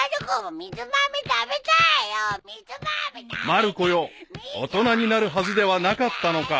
［まる子よ大人になるはずではなかったのか］